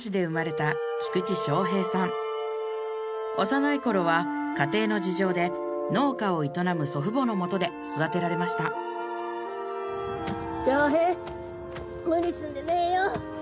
幼い頃は家庭の事情で農家を営む祖父母の元で育てられました将兵無理すんでねえよ。